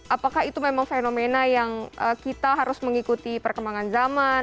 apakah itu memang fenomena yang kita harus mengikuti perkembangan zaman